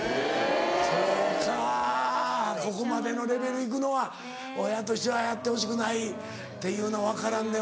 そうかここまでのレベルいくのは親としてはやってほしくないっていうの分からんでもない。